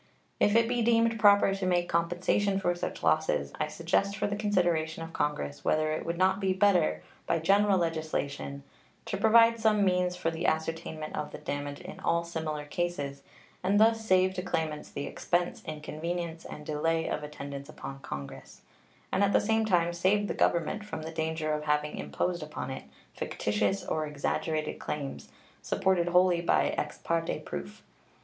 If it be deemed proper to make compensation for such losses, I suggest for the consideration of Congress whether it would not be better, by general legislation, to provide some means for the ascertainment of the damage in all similar cases, and thus save to claimants the expense, inconvenience, and delay of attendance upon Congress, and at the same time save the Government from the danger of having imposed upon it fictitious or exaggerated claims supported wholly by ex parte proof.